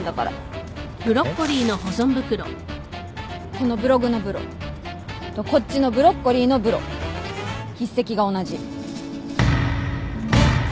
このブログの「ブロ」とこっちのブロッコリーの「ブロ」筆跡が同じ。